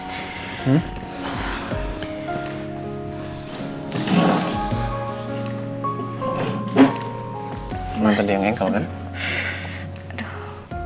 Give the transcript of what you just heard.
emang tadi yang engkau kan